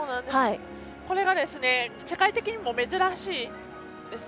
これが世界的にも珍しいんです。